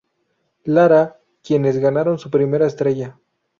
Lara, quienes ganaron su primera estrella.